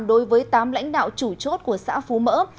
đối với tám lãnh đạo chủ chốt của xã phú mỡ